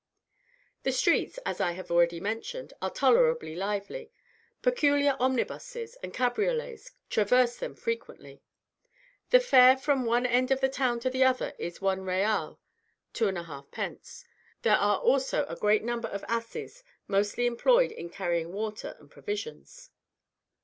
The streets, as I have already mentioned, are tolerably lively: peculiar omnibuses and cabriolets traverse them frequently. The fare from one end of the town to the other is one real (2.5d.) There are also a great number of asses, mostly employed in carrying water and provisions.